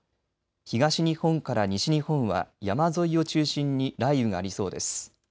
東日本から西日本は山沿いを中心に雷雨がありそうです。